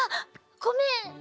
ごめん！